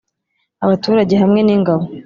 abaturage hamwe n’Ingabo